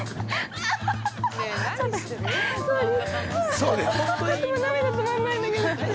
◆ちょっと涙止まんないんだけど。